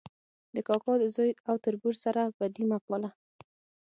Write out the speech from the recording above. د کاکا د زوی او تربور سره بدي مه پاله